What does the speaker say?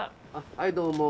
はいどうも。